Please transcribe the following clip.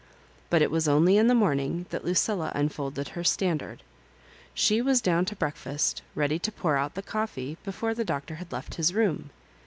But it was only in the morning that Lucilla unfolded her standard. She was down to breakfast, ready to pour out the coffee, before the Doctor had left his room.